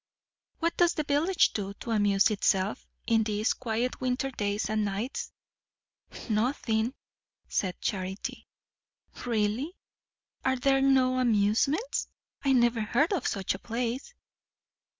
"What does the village do, to amuse itself, in these quiet winter days and nights?" "Nothing," said Charity. "Really? Are there no amusements? I never heard of such a place."